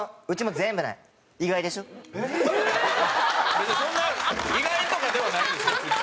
別にそんな意外とかではないです別に。